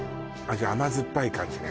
甘酸っぱい感じね